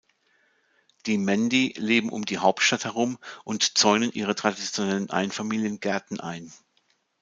Die Mendi leben um die Hauptstadt herum und zäunen ihre traditionellen Ein-Familien-Gärten ein.